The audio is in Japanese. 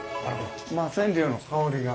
まあ染料の香りが。